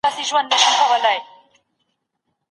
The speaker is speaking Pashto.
ټولنیز فشار هر وخت د خلکو پرېکړې نه بدلوي.